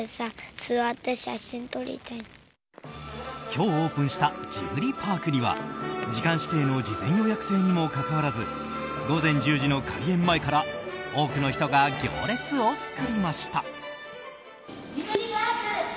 今日オープンしたジブリパークには時間指定の事前予約制にもかかわらず午前１０時の開園前から多くの人が行列を作りました。